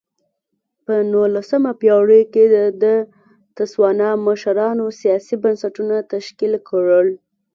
په نولسمه پېړۍ کې د تسوانا مشرانو سیاسي بنسټونه تشکیل کړل.